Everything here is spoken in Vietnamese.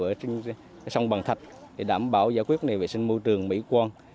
ở trên sông bàn thạch để đảm bảo giải quyết vệ sinh môi trường mỹ quân